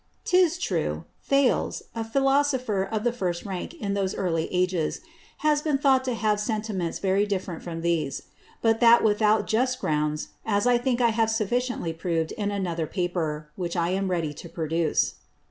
'Tis true, Thales, a Philosopher of the first Rank in those early Ages, has been thought to have Sentiments very different from these; but that without just Grounds, as I think I have sufficiently prov'd in another Paper, which I am ready to produce.